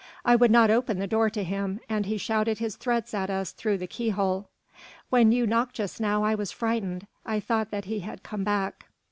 I would not open the door to him, and he shouted his threats at us through the keyhole. When you knocked just now I was frightened. I thought that he had come back."